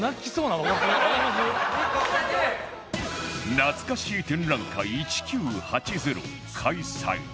なつかしー展覧会１９８０開催